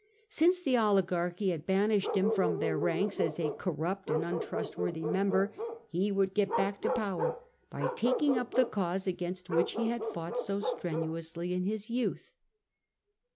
Since the oligarchy had banished him from their ranks as a corrupt and untrustworthy member, he would get back to power by taking up the cause against which he had fought so strenuously in his youth.